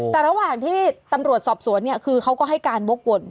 แต่ระหว่างที่ตำรวจสอบสวนคือเค้าก็ให้การโกรธ